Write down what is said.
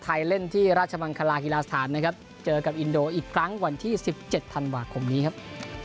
เล่นที่ราชมังคลาฮิลาสถานนะครับเจอกับอินโดอีกครั้งวันที่๑๗ธันวาคมนี้ครับ